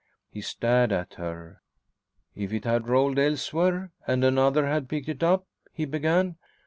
He stared at her. "If it had rolled elsewhere and another had picked it up ?" he began.